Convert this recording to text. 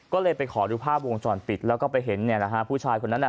ก็เลยไปขอดูภาพวงจรปิดแล้วก็ไปเห็นผู้ชายคนนั้น